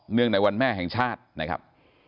งในวันแม่แห่งชาตินะครับ